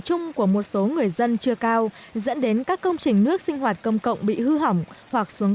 chung của một số người dân chưa cao dẫn đến các công trình nước sinh hoạt công cộng bị hư hỏng hoặc xuống